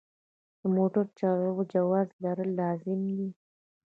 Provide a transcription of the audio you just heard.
د موټر چلولو جواز لرل لازمي دي.